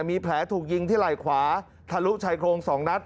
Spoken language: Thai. มีแผลถูกยิงที่ไหล่ขวาทะลุชายโครง๒นัด